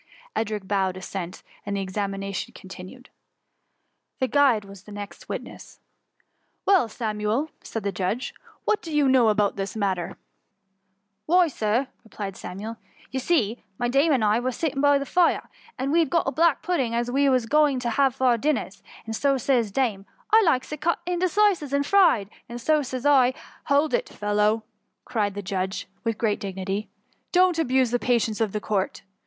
'^ Edric bowed assent, and the examination con^ tinued. The guide was the next witness. WeQ, Samuel," said the judge ;what do you know about this matter P^' Why, Sir," replied Samuel, *' ye see, my daiue and I were sitting by the fire^ and we'd THE MUMHT. 29ff got a black pudding, as we was a going to have for our (finners. And so says dame^ ^ I likes it cut in slices and fried/ and so says u Hold, fellow !" cried the judge, with great dignity. ^^ Don'^t abuse the patience of the Court.